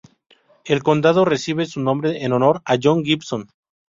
El condado recibe su nombre en honor a John Gibson.